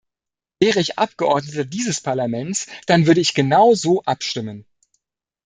Wäre ich Abgeordneter dieses Parlaments, dann würde ich genau so abstimmen.